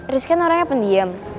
rizky kan orangnya pendiem